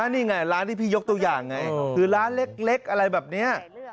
นี่ไงร้านที่พี่ยกตัวอย่างไงคือร้านเล็กอะไรแบบนี้